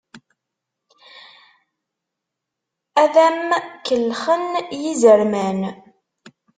Ad d-am-kellxen yizerman.